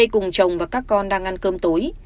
cùng chồng và các con đang ăn cơm tối